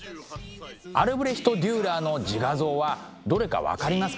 アルブレヒト・デューラーの自画像はどれか分かりますか？